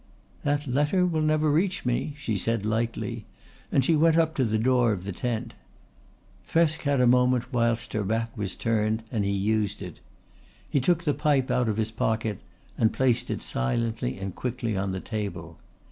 "That letter will never reach me," she said lightly, and she went up to the door of the tent. Thresk had a moment whilst her back was turned and he used it. He took his pipe out of his pocket and placed it silently and quickly on the table.